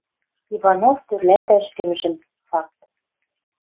Иванов тӧрлӓтӓ ӹшкӹмжӹм, факт.